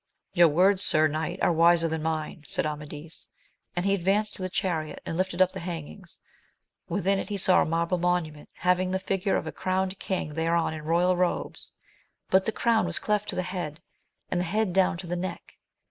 Your words, sir knight, are wiser than mine, said Amadis ; and he advanced to the chariot, and lifted up the hangings : within it he saw a marble monument, having the figure of a crowned king thereon in royal robes, but the crown was cleft to the head, and the head down to the neck.